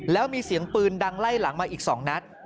แล้วมีเสียงปืนดังไล่หลังมาอีก๒นัด